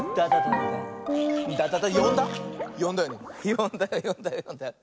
よんだよよんだよよんだよ。